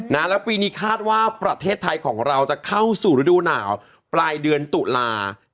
แล้วปีนี้คาดว่าประเทศไทยของเราจะเข้าสู่ฤดูหนาวปลายเดือนตุลา